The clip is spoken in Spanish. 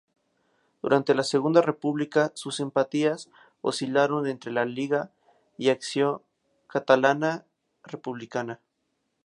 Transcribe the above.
Durante la Segunda República sus simpatías oscilaron entre la Lliga y Acció Catalana Republicana.